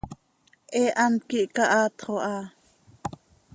He hant quih cahaatxo ha.